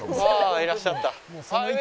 ああいらっしゃった。